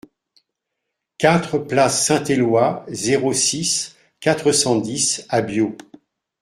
quatre place Saint-Eloi, zéro six, quatre cent dix à Biot